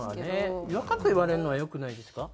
若く言われるのはよくないですか？